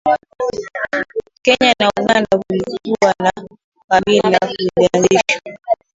kenya na uganda kulikuwa na ukabila kulianzishwa